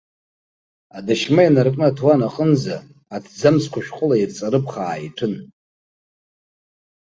Адашьма инаркны аҭуан аҟынӡа аҭӡамцқәа шәҟәыла еивҵарыԥхаа иҭәын.